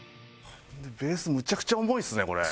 ベースむちゃくちゃ重いですねこれ。